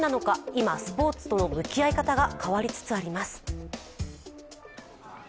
今、スポーツとの向き合い方が変わりつつあります。